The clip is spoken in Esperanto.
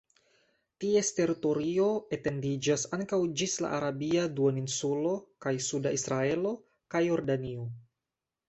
Ties teritorio etendiĝas ankaŭ ĝis la Arabia duoninsulo kaj suda Israelo kaj Jordanio.